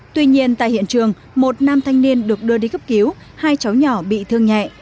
tuy nhiên tại hiện trường một nam thanh niên được đưa đi cấp cứu hai cháu nhỏ bị thương nhẹ